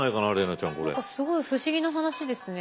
何かすごい不思議な話ですね。